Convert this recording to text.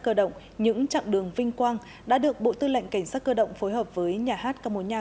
cơ động những trạng đường vinh quang đã được bộ tư lệnh cảnh sát cơ động phối hợp với nhà hát